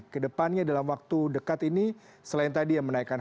kedepannya dalam waktu dekat ini selain tadi yang menaikkan harga